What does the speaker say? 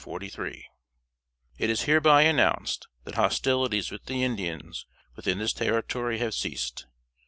} "It is hereby announced, that hostilities with the Indians within this Territory have ceased.